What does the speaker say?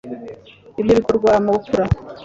ibyo bigakorwa mu bupfura